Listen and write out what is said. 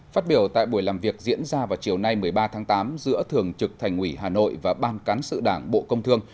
phát biểu tại buổi làm việc diễn ra vào chiều nay một mươi ba tháng tám giữa thường trực thành ủy hà nội và ban cán sự đảng bộ công thương